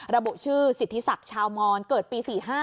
ระบุชื่อสิทธิศักดิ์ชาวมอนเกิดปี๔๕